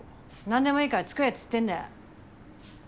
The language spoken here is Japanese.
なんでもいいから作れっつってんだよ。